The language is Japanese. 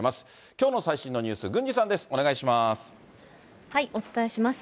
きょうの最新のニュース、郡司さお伝えします。